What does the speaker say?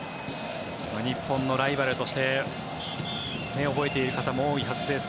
日本のライバルとして覚えている方も多いはずです。